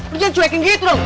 lo jangan cuekin gitu dong